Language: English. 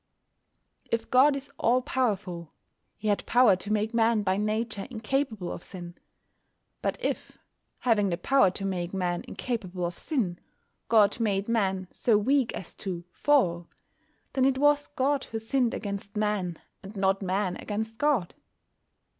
If God is all powerful, He had power to make Man by nature incapable of sin. But if, having the power to make Man incapable of sin, God made Man so weak as to "fall," then it was God who sinned against Man, and not Man against God.